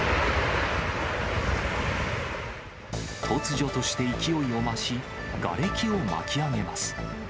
突如として勢いを増し、がれきを巻き上げます。